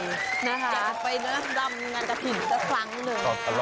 อยากไปเริ่มร่ำกับผิดสักครั้งเลย